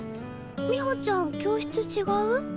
美穂ちゃん教室違う？